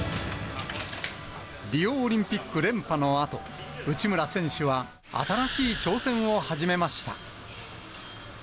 リオオリンピック連覇のあと、内村選手は新しい挑戦を始めました。